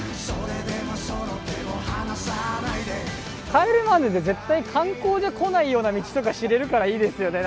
『帰れマンデー』って絶対観光じゃ来ないような道とか知れるからいいですよね。